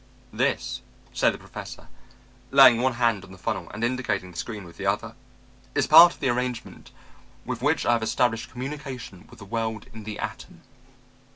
"'This,' said the Professor, laying one hand on the funnel and indicating the screen with the other, 'is part of the arrangement with which I have established communication with the world in the atom.